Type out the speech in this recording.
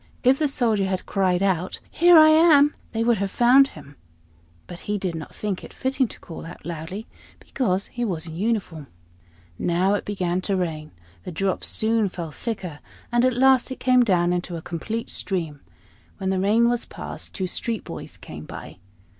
If the Soldier had cried out "Here I am!" they would have found him; but he did not think it fitting to call out loudly, because he was in uniform. Now it began to rain; the drops soon fell thicker, and at last it came down into a complete stream. When the rain was past, two street boys came by.